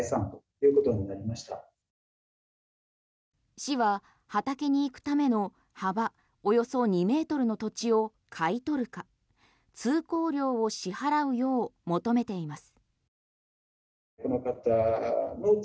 市は畑に行くための幅およそ２ｍの土地を買い取るか通行料を支払うよう求めています。